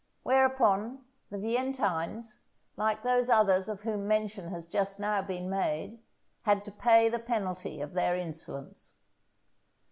Whereupon, the Veientines, like those others of whom mention has just now been made, had to pay the penalty of their insolence.